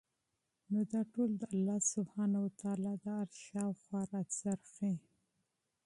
نو دا ټول د الله سبحانه وتعالی د عرش شاوخوا راڅرخي